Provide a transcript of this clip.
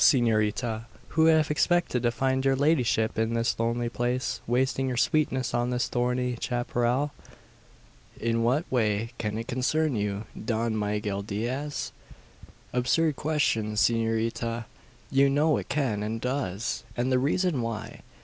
S'norita_, who'd have expected to find your ladyship in this lonely place wasting your sweetness on the thorny chapparal?" "In what way can it concern you, Don Miguel Diaz?" "Absurd question, S'norita! You know it can, and does; and the reason why.